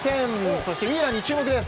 そしてウィーラーに注目です。